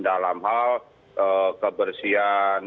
dalam hal kebersihan